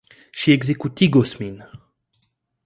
Ŝi ekzekutigos min.